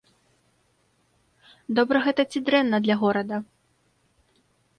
Добра гэта ці дрэнна для горада?